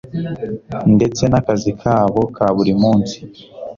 ndetse n'akazi kabo ka buri munsi.